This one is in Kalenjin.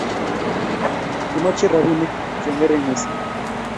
Kimoche robinik che ngering missing